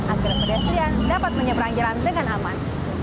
agar pedestrian dapat menyeberang jalan dengan aman